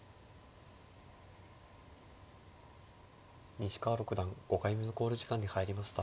西川六段５回目の考慮時間に入りました。